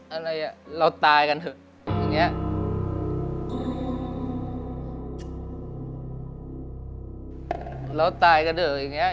อะไรอ่ะเราตายกันเถอะอย่างนี้